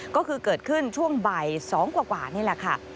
ก็คือเกิดขึ้นช่วงบ่าย๒กว่านี่แหละค่ะ